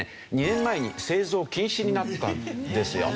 ２年前に製造禁止になったんですよ。